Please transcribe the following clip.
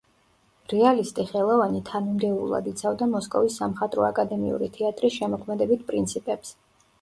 რეალისტი ხელოვანი თანმიმდევრულად იცავდა მოსკოვის სამხატვრო აკადემიური თეატრის შემოქმედებით პრინციპებს.